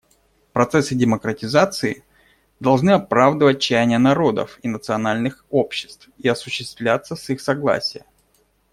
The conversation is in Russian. Процессы демократизации должны оправдывать чаяния народов и национальных обществ и осуществляться с их согласия.